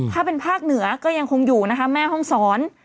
ถ้าเป็นภาคเหนือก็ยังคงอยู่นะคะแม่ห้องศร